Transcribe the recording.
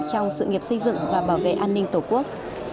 trong sự nghiệp xây dựng và bảo vệ an ninh tổ quốc